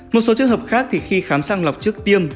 một số trường hợp khác thì khi khám sang lọc trước tiên